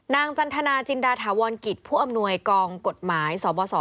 จันทนาจินดาถาวรกิจผู้อำนวยกองกฎหมายสบส